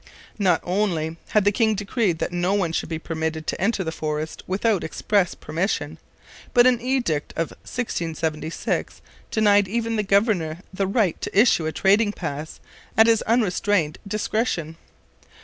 Not only had the king decreed that no one should be permitted to enter the forest without express permission, but an edict of 1676 denied even the governor the right to issue a trading pass at his unrestrained discretion.